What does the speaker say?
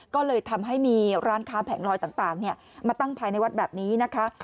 ก็เลยทำให้มีร้านค้าแผงลอยต่างมาตั้งภายในวัดแบบนี้นะคะ